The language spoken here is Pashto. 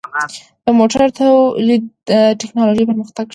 د موټرو تولید د ټکنالوژۍ پرمختګ ښيي.